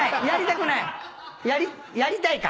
やり「やりたい」か。